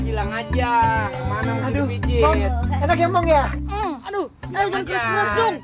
jangan keras keras dong